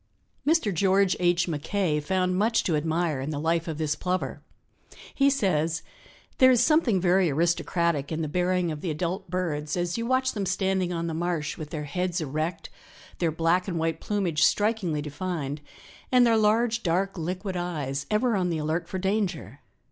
Mr. George H. Mackay found much to admire in the life of this Plover. He says: "There is something very aristocratic in the bearing of the adult birds as you watch them standing on the marsh with their heads erect, their black and white plumage strikingly defined, and their large, dark, liquid eyes ever on the alert for danger.